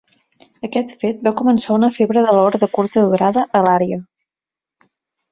Aquest fet va començar una febre de l'or de curta durada a l'àrea.